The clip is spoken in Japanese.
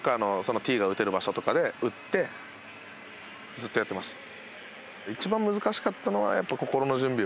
ずっとやってました。